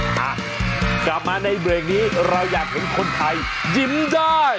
อ่ะกลับมาในเบรกนี้เราอยากเห็นคนไทยยิ้มได้